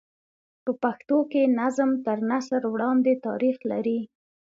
په پښتو کښي نظم تر نثر وړاندي تاریخ لري.